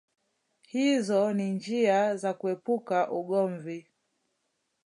Hizo ni njia za kuepuka ugomvi